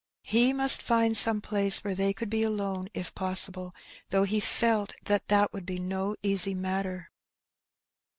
He must find some place where they could be alone, if possible, though he felt that that would be no easy matter.